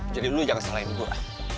jadi lo jangan salahin gue